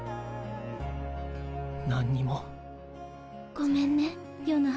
ごめんねヨナ。